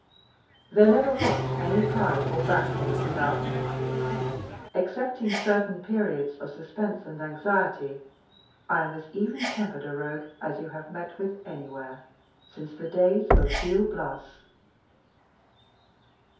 There never was any pride or bashfulness about me. Excepting certain periods of suspense and anxiety, I am as even tempered a Rogue as you have met with anywhere since the days of Gil Blas.